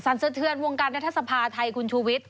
สรรเสธือนวงการรัฐสภาไทยคุณชุวิต